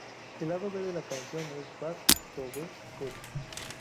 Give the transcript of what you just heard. El lado B de la canción es "Bad To Be Good".